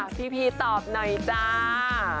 พี่ตอบหน่อยจ้า